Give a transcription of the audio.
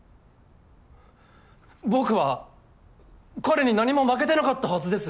僕は彼に何も負けてなかったはずです。